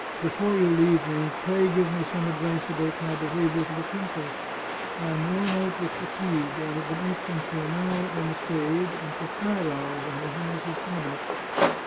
" Before you leave me, pray give me some advice about my behaviour to the princess. I am worn out with fatigue. I have been acting for an hour on the stage, and for five hours in her Highness's cabinet."